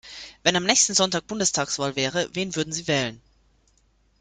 Wenn am nächsten Sonntag Bundestagswahl wäre, wen würden Sie wählen?